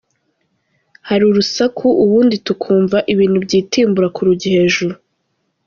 Hari urusaku, ubundi tukumva ibintu byitimbura ku rugi hejuru.